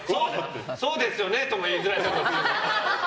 そうですよねとも言いづらいです。